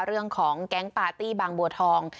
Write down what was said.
เรื่องของแก๊งปาร์ตี้บางบัวทอง